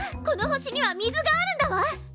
この星には水があるんだわ！